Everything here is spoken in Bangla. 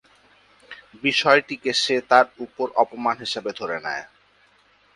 বিষয়টিকে সে তার ওপর অপমান হিসেবে ধরে নেয়।